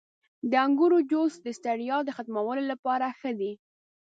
• د انګورو جوس د ستړیا ختمولو لپاره ښه دی.